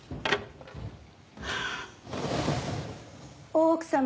大奥様